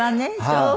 そう。